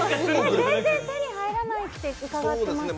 全然手に入らないと伺ってますよ。